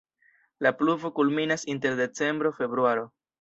La pluvo kulminas inter decembro-februaro.